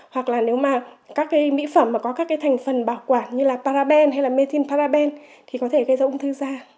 hoặc là nếu mà các cái mỹ phẩm mà có các cái thành phần bảo quản như là paraben hay là mê thin paraben thì có thể gây ra ung thư da